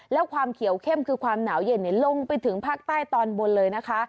แล้วความเขียวเข้มคือความหนาวเย็นลงไปถึงภาคใต้ตอนบนเลยนะคะ